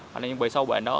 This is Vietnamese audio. hoặc là bị sâu bệnh đó